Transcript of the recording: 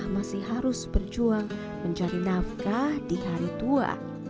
masih harus berjuang mencari nafkah di hari tua